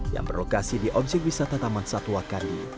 yang berlokasi di objek wisata taman satu wakandi